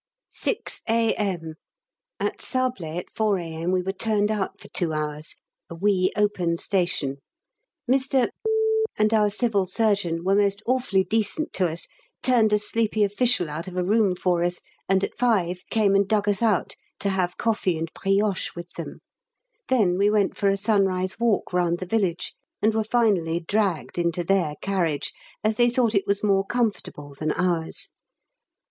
6 A.M. At Sablé at 4 A.M. we were turned out for two hours; a wee open station. Mr and our Civil Surgeon were most awfully decent to us: turned a sleepy official out of a room for us, and at 5 came and dug us out to have coffee and brioches with them. Then we went for a sunrise walk round the village, and were finally dragged into their carriage, as they thought it was more comfortable than ours.